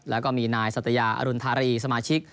แล้วก็มีนายสัตยาอรุณธารีสมาชิก